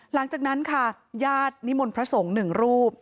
หลังจากนั้นค่ะญาตินิมนต์พระสงฆ์หนึ่งรูป